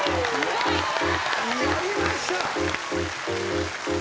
やりました！